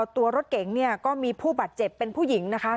ตัวรถเก๋งเนี่ยก็มีผู้บาดเจ็บเป็นผู้หญิงนะคะ